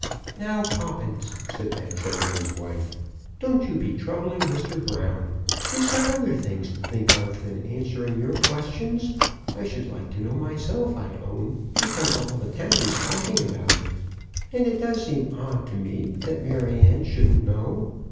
"Now Poppins," said that gentleman's wife, "don't you be troubling Mr. Brown. He's got other things to think of than answering your questions. I should like to know myself, I own, because all the town's talking about it. And it does seem odd to me that Maryanne shouldn't know."